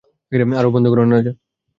আরে বন্ধ কর না রাজা!